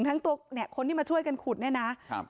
ทั้งตัวเนี่ยคนที่มาช่วยกันขุดเนี่ยนะครับ